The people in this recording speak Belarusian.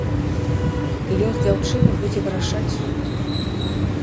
Лёс дзяўчыны будзе вырашаць суд.